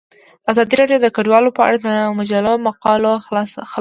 ازادي راډیو د کډوال په اړه د مجلو مقالو خلاصه کړې.